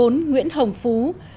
bốn nguyễn hồng phú